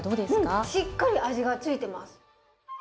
うんしっかり味が付いてます。